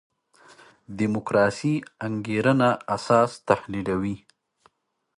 دیموکراسي انګېرنه اساس تحلیلوي.